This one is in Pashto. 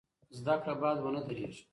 زده کړه باید ونه دریږي.